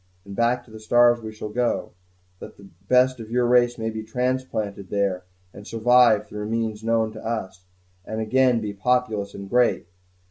and back to the stars we shall go, that the best of your race may be transplanted there, and survive through means known to us, and again be populous and great.